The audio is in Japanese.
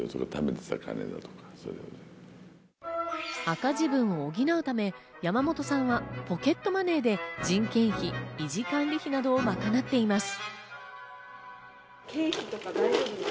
赤字分を補うため、山本さんはポケットマネーで人件費、維持管理費などを賄っています。